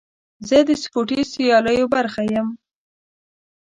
زه د سپورتي سیالیو برخه یم.